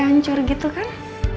ngancur gitu kan